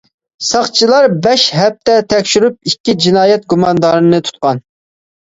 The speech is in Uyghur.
ساقچىلار بەش ھەپتە تەكشۈرۈپ، ئىككى جىنايەت گۇماندارىنى تۇتقان.